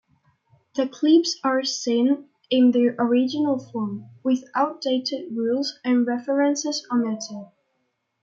The clips are seen in their original form, with outdated rules and references omitted.